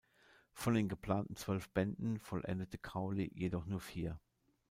Von den geplanten zwölf Bänden vollendete Cowley jedoch nur vier.